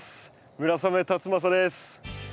村雨辰剛です。